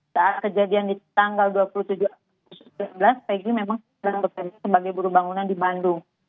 saat kejadian di tanggal dua puluh tujuh april dua ribu sebelas peggy memang sudah bertemu sebagai buru bangunan di bandung